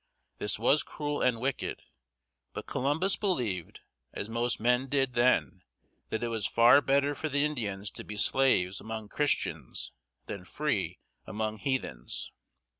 This was cruel and wicked; but Columbus believed, as most men did then, that it was far better for the Indians to be slaves among Christians than free among heathens.